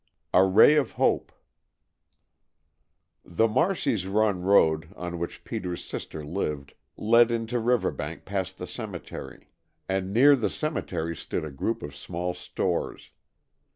A RAY OF HOPE THE Marcy's Run Road, on which Peter's sister lived, led into Riverbank past the cemetery, and near the cemetery stood a group of small stores.